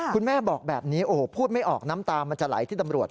คุณแม่บอกแบบนี้โอ้โหพูดไม่ออกน้ำตามันจะไหลที่ตำรวจ